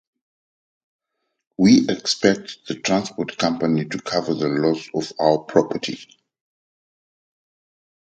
We expect the transport company to cover the loss to our property.